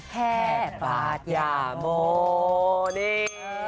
แค่ภาษณ์ยาโมนี่